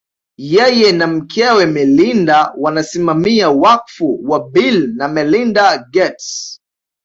Yeye na mkewe Melinda wanasimamia wakfu wa Bill na Melinda Gates